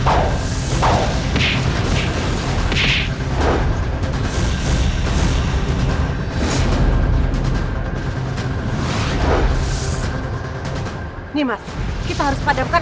ini tidak bisa kubiarkan